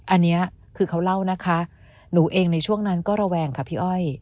อันนี้คือเขาเล่านะคะหนูเองในช่วงนั้นก็ระแวงค่ะพี่อ้อย